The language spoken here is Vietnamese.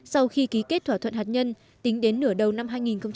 sau khi ký kết thỏa thuận hạt nhân tính đến nửa đầu năm hai nghìn một mươi năm